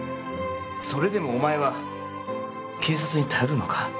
それでもお前は警察に頼るのか？